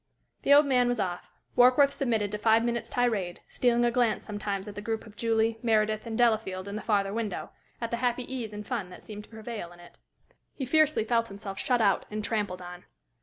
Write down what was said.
The old man was off. Warkworth submitted to five minutes' tirade, stealing a glance sometimes at the group of Julie, Meredith, and Delafield in the farther window at the happy ease and fun that seemed to prevail in it. He fiercely felt himself shut out and trampled on.